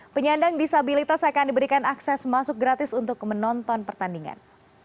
penyandang disabilitas akan diberikan akses masuk gratis untuk menonton pertandingan